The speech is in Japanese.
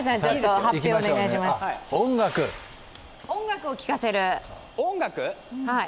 音楽を聴かせる。